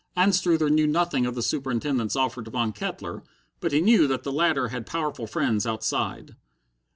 Anstruther knew nothing of the Superintendent's offer to Von Kettler, but he knew that the latter had powerful friends outside.